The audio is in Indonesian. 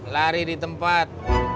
lari di tempat